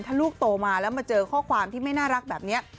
ถ้าลูกโตมาแล้วมาเจอข้อความที่ไม่น่ารักแบบนี้